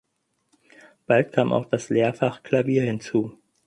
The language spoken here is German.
Bald kam auch das Lehrfach Klavier hinzu.